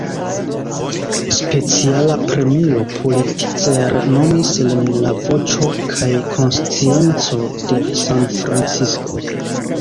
Speciala Premio Pulitzer nomis lin la "voĉo kaj konscienco" de San-Francisko.